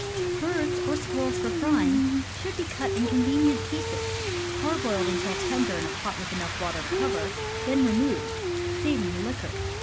Birds or squirrels for frying should be cut in con venient pieces, parboiled until tender in a pot with enough water to cover, then removed, saving the liquor.